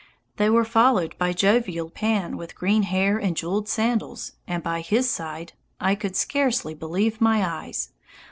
They were followed by jovial Pan with green hair and jewelled sandals, and by his side I could scarcely believe my eyes!